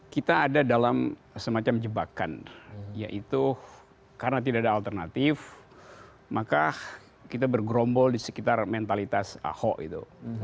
kita ada dalam semacam jebakan yaitu karena tidak ada alternatif maka kita bergerombol di sekitar mentalitas ahok itu